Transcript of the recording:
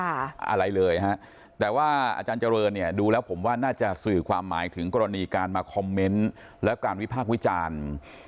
อะไรเลยฮะแต่ว่าอาจารย์เจริญเนี่ยดูแล้วผมว่าน่าจะสื่อความหมายถึงกรณีการมาคอมเมนต์แล้วการวิพากษ์วิจารณ์